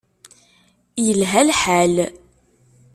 Yelha lḥal.